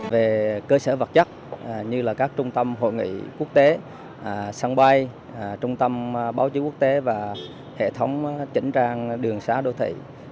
về cơ sở vật chất như là các trung tâm hội nghị quốc tế sân bay trung tâm báo chí quốc tế và hệ thống chỉnh trang đường xá đô thị